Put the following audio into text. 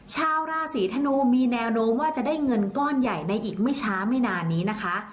ชาวราศีธนูมีแนวโน้มว่าจะได้เงินก้อนใหญ่ในอีกไม่ช้าไม่นานนี้นะคะ